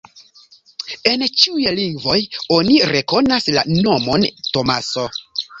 En ĉiuj lingvoj oni rekonas la nomon Tomaso.